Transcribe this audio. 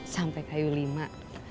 sampai kayu lima